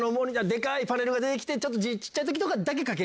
でかいパネルが出て来て字小っちゃい時とかだけ。